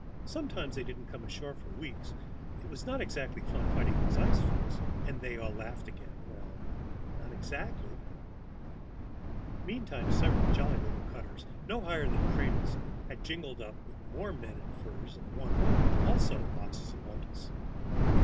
Sometimes they didn't come ashore for weeks; it was not exactly fun fighting those ice floes. And they all laughed again; well, not exactly! Meantime several jolly little cutters, no higher than cradles, had jingled up with more men in furs and one woman. Also boxes and bundles.